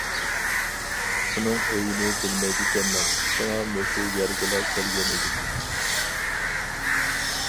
ئۇنىڭ ئۆيىنى بىلمەيدىكەنمەن، شۇڭا مۇشۇ يەرگىلا كەلگەن ئىدىم.